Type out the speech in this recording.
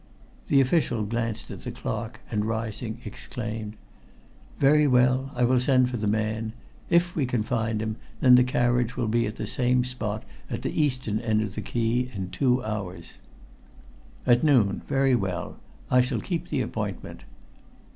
The official glanced at the clock, and rising exclaimed "Very well, I will send for the man. If we find him, then the carriage will be at the same spot at the eastern end of the quay in two hours." "At noon. Very well. I shall keep the appointment."